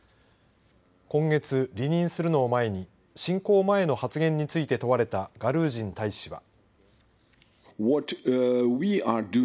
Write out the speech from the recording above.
今月、離任するのを前に侵攻前の発言について問われたガルージン大使は。